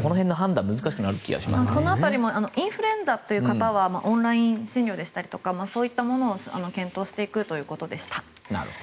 その辺りもインフルエンザという方はオンライン診療でしたりそういったものを検討していくということでした。